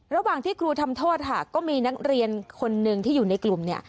ระหว่างที่ครูทำโทษค่ะก็มีนักเรียนคนหนึ่งที่อยู่ในกลุ่มเนี่ย